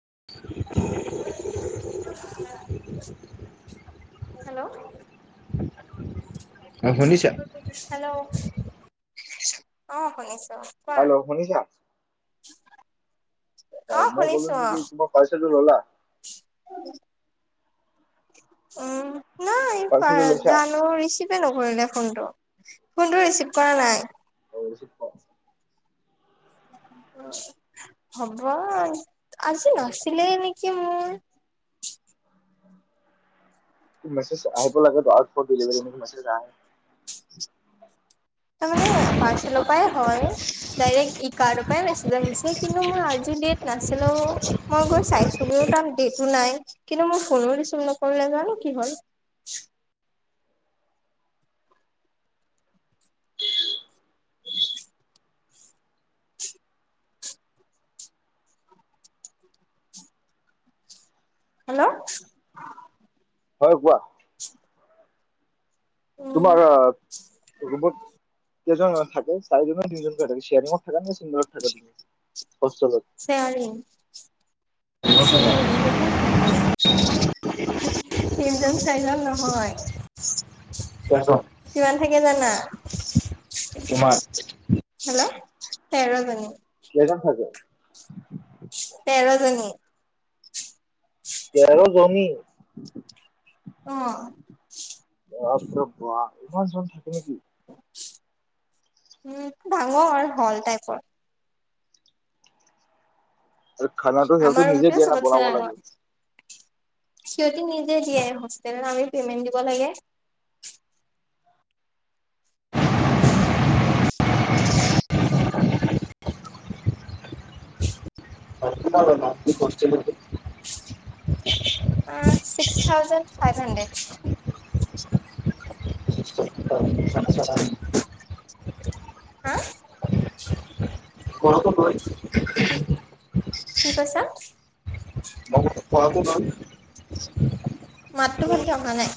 [inaudible] Hello. অ' শুনিছা? Hello অ' শুনিছো। কোৱা হেল্ল' শুনিছা? অ হয়, মই কলো শুনিছো অ নেকি তোমাৰ পাৰ্চেলটো ল'লা? [unintelligible] অ'। নাই। পাৰ্চেলটো লৈছা? জানো ৰিচিভে নকৰিলে! ফোনটো, ফোনটো ৰিচিভ কৰা নাই। [unintelligible] হ'ব। আজি নাচিলেই নেকি মোৰ! মেছেজ আহিব লাগেত' ডেলিভাৰী নেকি মেছেজ আহে। [unintelligible] তাৰ মানে পাৰ্চেলৰ পৰাই হয়। দাৰেক ই কাৰৰ পৰাই মেছেজ আহিছে। কিন্তু মই আজি ডেট নাছিলে অ। মই গৈ চাইছো গৈ তা'ত ডেটো নাই। কিন্তু মোৰ- দিছো নকৰিলে জানো কি হল। [unintelligible] হেল্ল' হয়, কোৱা? [unintelligible] উম তোমাৰ ৰোমত - কেইজন থাকে? চাৰিজন। চিৰিংঙ ত থাকা নে চিন্দৰত থাকা তুমি? হোষ্টেলত? চেয়াৰ ৰিং, চেয়াৰ ৰিং বহুত থাকে। তিনজন, চাৰিজন নহয়। [unintelligible] কিমান থাকে জানা? তোমাৰ- তেৰ'ৰ জনী। কেইটা থাকে? হয় নাই তেৰ'ৰ জনি। অঁহ। বাপৰে বা' ইমান ছোৱালী থাকে নেকি। উম' ডাঙৰ হ'ল টাইপৰ। আৰু খানাটো সিহঁত আমাৰ তি নিজে ৰুমটোৱে দিয়ে না চবতছে বনাব ডাঙৰ লাগে? সিহঁতি নিজে দিয়ে। হোষ্টেলত আমি পেমেন্ট দিব লাগে। কিমান লয় মাল্টি হোষ্টেলত? আঁহ ছিক্স থাউজেণ্ড, ফাইভ হণ্ড্ৰেড। [unintelligible] [unintelligible] [unintelligible] হা আঁ [unintelligible] কি' কি কৈছা? [unintelligible] মাতটো ভাল কে অহা নাই।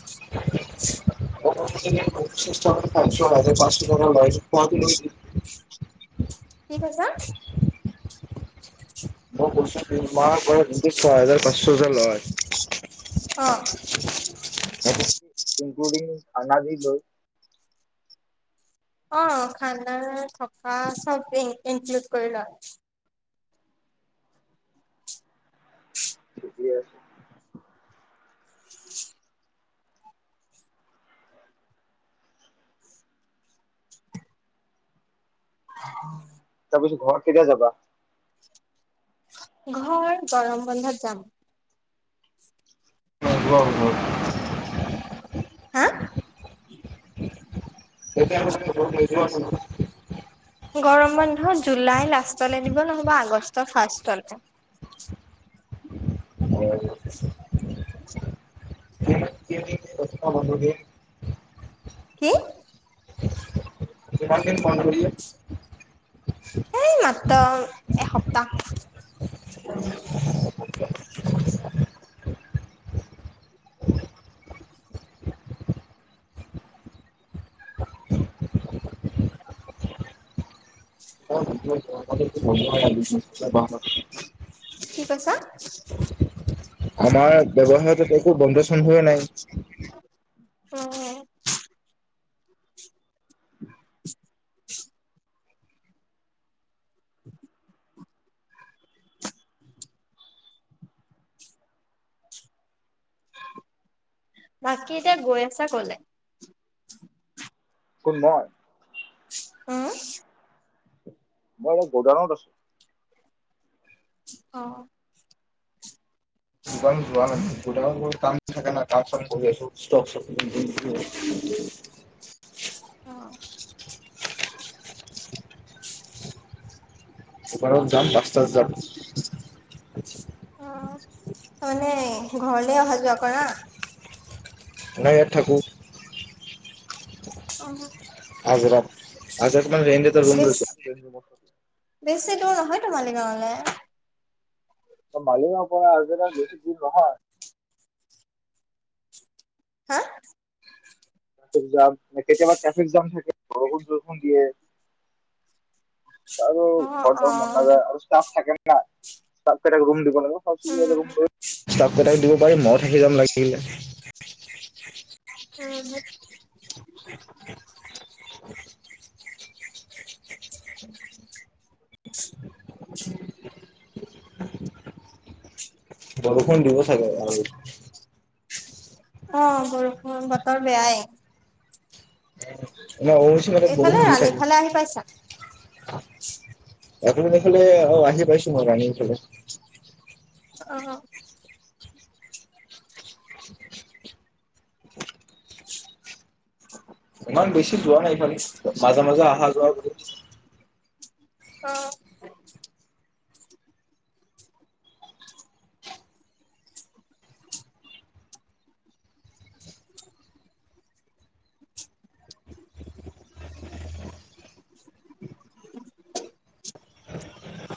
[unintelligible] কি কৈছা? মাহ পৰা ছয় হাজাৰ পাঁচশ হাজাৰ লয় অ। আনা দি গ অ, খানা থ কা, চপে। ইনক্লুড কৰিলা। ঠিকেই আছে। তাৰপিছত ঘৰত কেতিয়া যাবা? ঘৰ, গৰম বন্ধত যাম। ব ব [unintelligible] হা? তেতিয়া ল যোৱা ন [unintelligible] গৰম বন্ধ জুলাই লাষ্টলে দিব নহ'বা আগষ্টৰ ফাৰ্ষ্ট [unintelligible] চালকে হয়। [inaudible] মানুহ [unintelligible] কি? কিমান দিন বন্ধ বোলো? এই, মাত্ৰ এসপ্তাহ। [inaudible] আমাৰ কি কৈছা? ব্যৱসায়টোত একো বন্ধ-চনধয়ে নাই। উম। [inaudible] বাকী এতিয়া গৈ আছা, কলে? কোন মই? উম। মই এ গুদানত আছো। অ,। দোকান যোৱা নাই। গুদামত কাম থাকে ন, কাম-চাম কৰি আছো ষ্টক চ অ। দোকান ত যাম, দচটাত যাম। অ', মানে ঘৰলে অহা যোৱা কৰা? নাই, ইয়াত থাকোঁ। অ'। আজৰাত আজ [unintelligible] ৰৰুম বেছ লৈ বেছি দূৰ নহয়, তো মালি গাঁৱলে। মালিগাঁও পৰা আহিলে বেছি দূৰ নহয়। হা? ফে জাম কেতিয়াবা টেফিক জাম থাকে। বহুত বৰষুন দিয়ে। বাৰো অ', ঘৰত মন অ', নাযায় আৰু ষ্টাফ থাকে ন। না ইষ্টাফ কেইটা ৰোম দি। বয়খ সাঁচি এ উম। ৰোম লৈ, ইষ্টাপ কেইটা দিব। বাৰি মত হেইৰাম লাগিলে। [unintelligible] উম হু। [unintelligible] বৰষুণ দিব। চাগে আৰু। অ বৰষুণ, বতৰ বেয়াই। মই অচ মতত এইফালে বৰষুণ দি থাকে। ৰাণীফালে আহি পাইছা? এ খিনি দেখলে। অ আহি পাইছো মই ৰানিং খেলত। [unintelligible] অহ অ। উ [unintelligible] ইমান বেছি। যোৱা হেইখনি মাজে মাজে অহা যোৱাও। অ।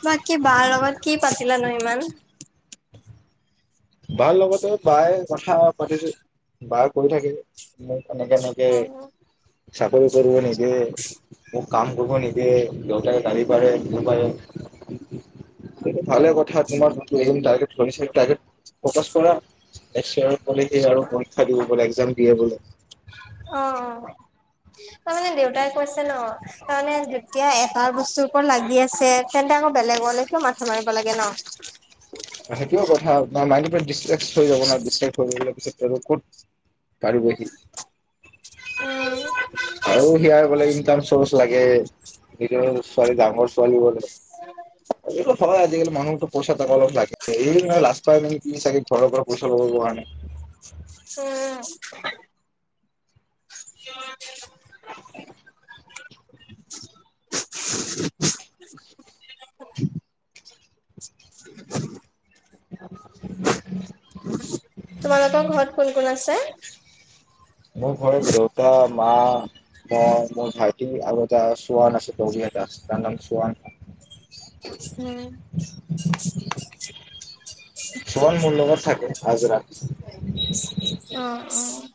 বাকী বাৰ লগত কি পাতিলা নো ইমান? বাৰ লগতে। পাই কথা পাতিছো। বাৰ কোন থাকে, মই। এনেকে এনেকে। উম, চা। কল কৰিব নিদিয়ে, ঔ। কাম কৰব নিদিয়ে দেউতাই গালি পাৰে, নাপাৰে, এইতো ভালে কথা তোমাৰ, লেওঁৰি টাৰগেট চলিছে টাৰগেট। ফকাচ কৰা। এক চেৰেল পলিতি আৰু পৰীক্ষা দিব বোলে এক্সাম দিয়ে বোলে। অ অ। তাৰমানে দেউতাই কৈছে ন তাৰমানে যেতিয়া এটা বস্তুৰ ওপত লাগি আছে, তেন্তে আকৌ বেলেগলে কীয় মাথা মাৰিব লাগে ন। সেইটোও কথা বা মাইনুটোৱে দেছেচ হৈ যাব ন দিছেগ হৈ গলে ক'ত। পাৰিবহি উম, আৰু সিআৰ বোলে ইনকাম চৰ্চ লাগে, সেইটো। ছোৱালী ডাঙৰ ছোৱালী বোলে। উ এইটো হয় [unintelligible] আজিকালি মানুহটো পইচা টকা অলপ লাগে। এই লাজ পাই নেকি তুমি চাগে ঘৰৰ পৰা পইচা লোৱা নাই। উম। [inaudible] [inaudible] তোমালোকৰ ঘৰত কোন কোন আছে? [inaudible] মোৰ ঘৰত দেউতা, মা, বা, মোৰ ভাইটি আৰু এটা চোৱান আছে দৌৰি এটা তাৰ নাম চোৱান! উম। চৱান মোৰ লগত থাকে আজৰা। অ',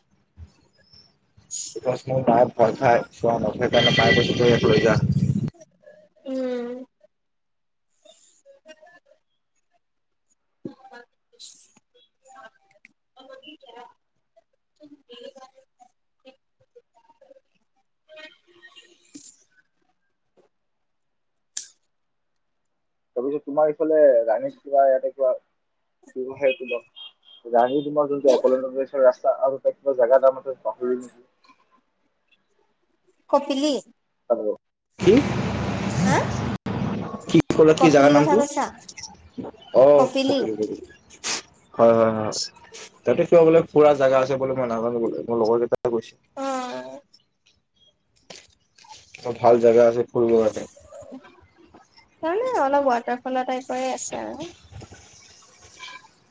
চ মোৰ মায় ভয় খায় চোৱানৰ সেইকাৰণে মায়ে কৈছে তই ইয়াক লৈ যা উম। তাৰপিছত তোমাৰ ইফালে ৰাণীত কিবা ইয়াতে কিবা ব্যৱসায় তোৰ ৰাণী তোমাৰ যোনটো কি একলেন যোনটো ৰাস্তা আৰু এ কিবা জোগা তাৰ মতে পাহৰিলোঁ নেকি কপিলি হেল্ল কি? হা কি? কি কলা কপিলি জেগাৰ কথা নামটো কৈছা অ কপিলি কপিলী কপিলী হয় হয় হয় তাতে কিবা বোলে ফুৰা জেগা আছে বুলে মই নাজানো বোলে মোৰ লগৰ কেইটা গৈছে অ'। ভাল জোগা আছে ফুৰিবৰ কাৰণে [inaudible] ন অলপ ৱাটাৰ ফলত প আছা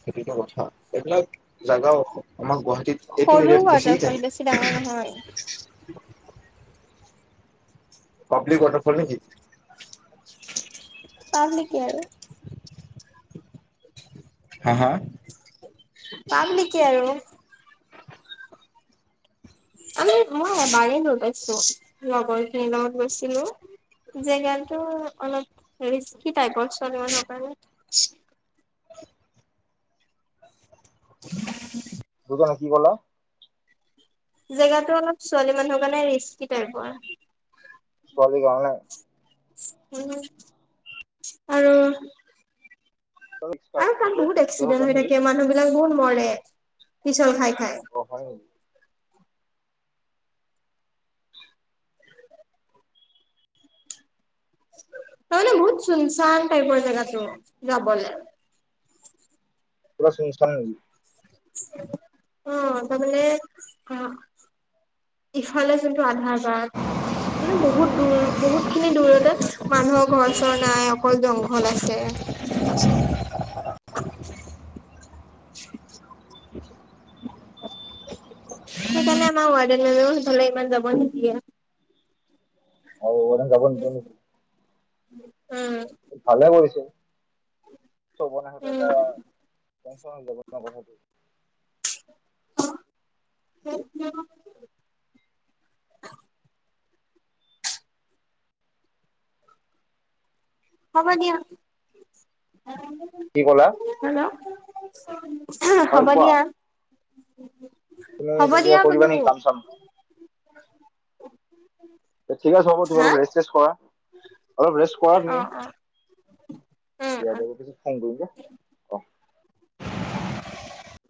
সেইটোৱেটো কথা এইবিলাক জাগাও আছে আমাৰ গুৱাহাটী সৰু ৱাটাৰফল বেছি ডাঙৰ নহয়। পাব্লিক ৱাটাৰফল নে কি। পাব্লিকে আৰু হা হা। পাব্লিকে আৰু। আমি মই এবাৰেই গৈ পাইছো লগৰ খিনিৰ লগত গৈছিলো জেগাটো অলপ ৰিস্কি টাইপৰ ছোৱালী মানুহৰ কাৰণে বুজা নাই কি কলা। জেগাতো অলপ ছোৱালী মানুহৰ কাৰণে ৰিস্কি টাইপৰ তুমি উম। আৰু আৰু তাত বহুত কিহৰ এক্সিডেন্ট হৈ কাৰণে থাকে ৰিস্ক মানুহ বিলাক বহুত মৰে পিছল খাই খাই অ হয় নি। তহ বহুত চুনচান টাইপৰ জেগাটো যাবলে পোৰা চোনচান নেকি অ তাৰমানে অ ইফালে যোনটো আধাৰ মানে বহুত দূৰ বহুত খিনি দূৰতে মানুহৰ ঘৰ চৰ নাই অকল জংঘল আছে [unintelligible] [unintelligible] সেইকাৰণে আমাৰ ইমান যাব নিদিয়ে [unintelligible] উম নেকি বনে সটো এটা কংচন জাৰ কথাটো অ [unintelligible] হ'ব দিয়া কি কলা ছ [inaudible] উমহ হয় হ'ব কোৱা দিয়া তুমি হ'ব এতিয়া কিবা দিয়া বোলো। কৰিবা নেকি কাম চাম [inaudible] ঠিক আছে হ'ব হা? তোমালোক ৰেষ্ট চেষ্ট কৰা অলপ ৰেষ্ট কৰা তুমি অ', অ', উম, উম।